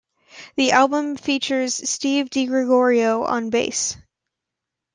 The album features Steve DiGiorgio on bass.